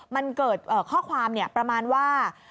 มันเกิดข้อความประมาณว่า